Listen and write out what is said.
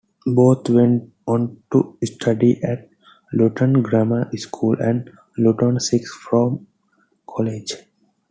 Both went on to study at Luton Grammar School and Luton Sixth Form College.